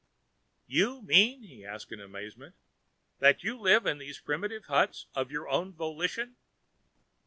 "You mean," he asked in amazement, "that you live in these primitive huts of your own volition?"